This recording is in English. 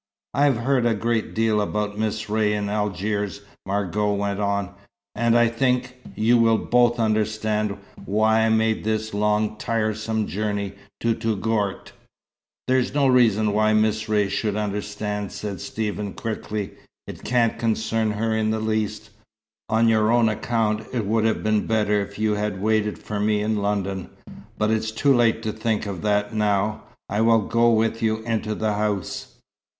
"I have heard a great deal about Miss Ray in Algiers," Margot went on. "And I think you will both understand why I made this long, tiresome journey to Touggourt." "There is no reason why Miss Ray should understand," said Stephen quickly. "It can't concern her in the least. On your own account it would have been better if you had waited for me in London. But it's too late to think of that now. I will go with you into the house."